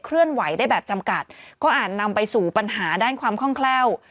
เลื่อนไหวได้แบบจำกัดก็อาจนำไปสู่ปัญหาด้านความคล่องแคล่ว